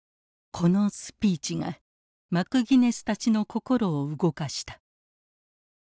このスピーチがマクギネスたちの心を動かした。